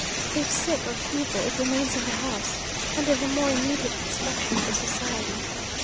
If sick or feeble it remains in the house, under the more immediate inspection of the society.